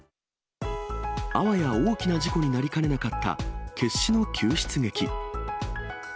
あわや大きな事故になりかねなかった、決死の救出劇。